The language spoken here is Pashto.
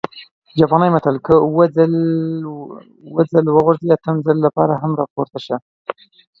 جاپانى متل: که اووه ځل وغورځېدې، اتم ځل لپاره هم راپورته شه!